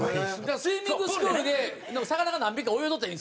スイミングスクールで魚が何匹か泳いどったらいいんですよね？